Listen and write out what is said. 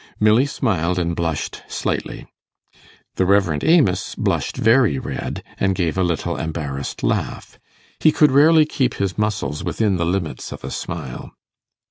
Milly smiled and blushed slightly. The Rev. Amos blushed very red, and gave a little embarrassed laugh he could rarely keep his muscles within the limits of a smile.